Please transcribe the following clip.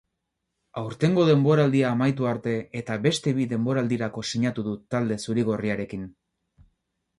Aurtengo denboraldia amaitu arte eta beste bi denboraldirako sinatu du talde zuri-gorriarekin.